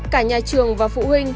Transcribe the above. cả nhà trường và phụ huynh